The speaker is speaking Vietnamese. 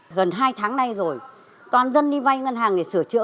gần hai tháng nay rồi toàn dân đi vay ngân hàng để sửa chữa